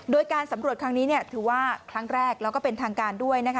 โดยการสำรวจครั้งนี้ถือว่าครั้งแรกแล้วก็เป็นทางการด้วยนะคะ